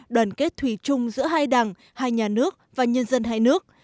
đoàn kết thủy chung giữa hai đảng hai nhà nước và nhân dân hai nước